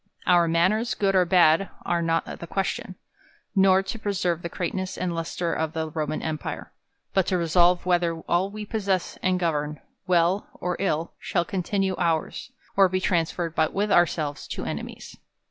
Our manners, good or bad, are not the question, nor to preserve the greatness and lustre of the Roman empire : but to resolve whether all we possess and govern, well or ill, shall continue our's, or be transferred with ourselves to enemies.